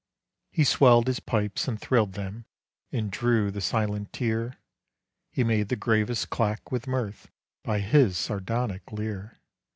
He swelled his pipes and thrilled them, And drew the silent tear; He made the gravest clack with mirth By his sardonic leer.